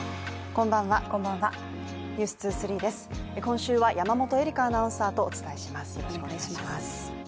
今週は山本恵里伽アナウンサーとお伝えします